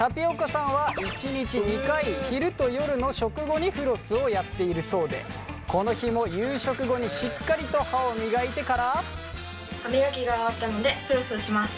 さんは１日２回昼と夜の食後にフロスをやっているそうでこの日も夕食後にしっかりと歯を磨いてから。